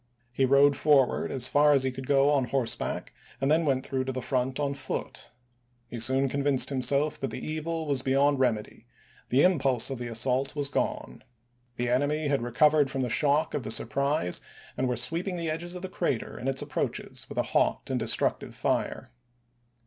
He rode forward as far as he could go on horseback, and then went through to the front on foot. He soon convinced himself that the evil was beyond remedy ; the impulse of the assault was gone ; the 424 ABKAHAM LINCOLN ch. xviii. enemy had recovered from the shock of the sur prise and were sweeping the edges of the crater and its approaches with a hot and destructive fire.